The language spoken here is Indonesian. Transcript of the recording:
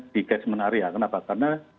di catchment area kenapa karena